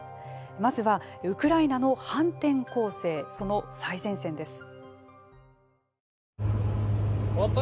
まずは、ウクライナの反転攻勢その最前線です。